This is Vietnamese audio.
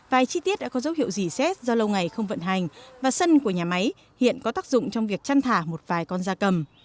vài chi tiết đã có dấu hiệu gì xét do lâu ngày không vận hành và sân của nhà máy hiện có tác dụng trong việc chăn thả một vài con da cầm